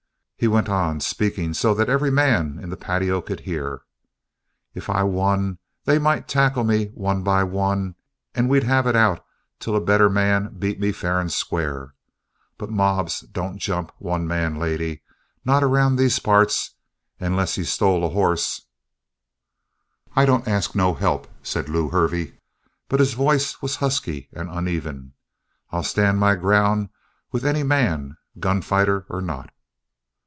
He went on, speaking so that every man in the patio could hear: "If I won, they might tackle me one by one and we'd have it out till a better man beat me fair and square. But mobs don't jump one man, lady not around these parts unless he's stole a hoss!" "I don't ask no help," said Lew Hervey, but his voice was husky and uneven. "I'll stand my ground with any man, gun fighter or not!"